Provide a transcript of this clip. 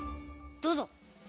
どうぞ。